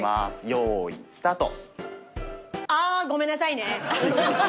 よーいスタート。